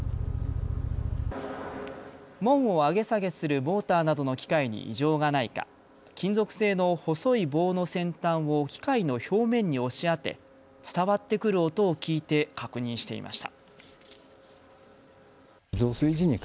門を上げ下げするモーターなどの機械に異常がないか金属製の細い棒の先端を機械の表面に押し当て伝わってくる音を聞いて確認していました。